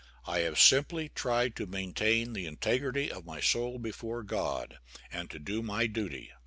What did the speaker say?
I have simply tried to maintain the integrity of my soul before God, and to do my duty."